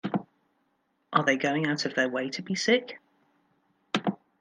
Are they going out of their way to be sick?